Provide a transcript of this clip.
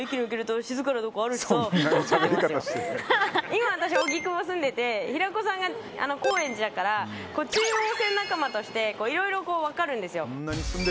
今、私は荻窪に住んでて平子さんが高円寺だから中央線仲間としていろいろ分かるんですよ。